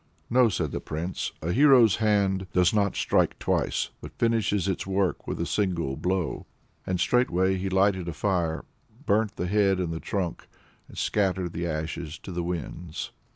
"No," replied the Prince, "a hero's hand does not strike twice, but finishes its work with a single blow." And straightway he lighted a fire, burnt the head and the trunk, and scattered the ashes to the winds.